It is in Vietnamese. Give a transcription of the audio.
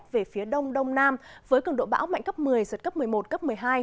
về phía đông đông nam với cường độ bão mạnh cấp một mươi giật cấp một mươi một cấp một mươi hai